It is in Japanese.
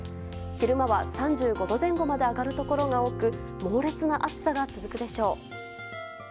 昼間は３５度前後まで上がるところが多く猛烈な暑さが続くでしょう。